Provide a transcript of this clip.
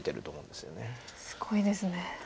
すごいですね。